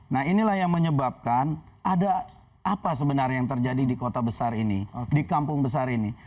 nah inilah yang menyebabkan ada apa sebenarnya yang terjadi di kota besar ini di kampung besar ini